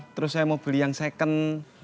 terus saya mau beli yang second